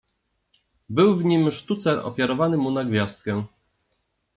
Był w nim sztucer ofiarowany mu na gwiazdkę.